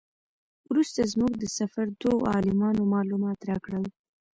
وروسته زموږ د سفر دوو عالمانو معلومات راکړل.